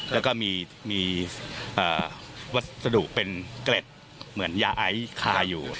แล้วก็มีวัสดุเป็นเกล็ดเหมือนยาไอคาอยู่